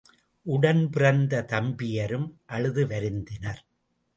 உடன் பிறந்த தம்பியரும் அழுது வருந்தினர்.